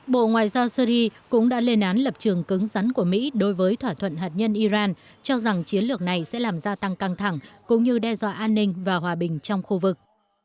bộ ngoại giao syri cũng đã lên án lập trường cứng rắn của mỹ đối với thỏa thuận hạt nhân iran cho rằng chiến lược này sẽ làm gia tăng căng thẳng cũng như đe dọa an ninh và hòa bình trong khu vực